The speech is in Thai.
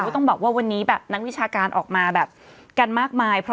ต้องบอกว่าวันนี้แบบนักวิชาการออกมาแบบกันมากมาย